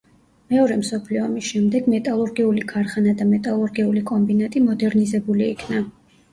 მეორე მსოფლიო ომის შემდეგ მეტალურგიული ქარხანა და მეტალურგიული კომბინატი მოდერნიზებული იქნა.